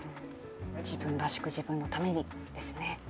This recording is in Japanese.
自分らしく、自分のためにですね。